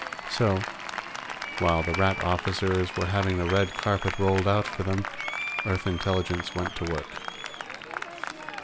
So, while the Rat officers were having the red carpet rolled out for them, Earth Intelligence went to work.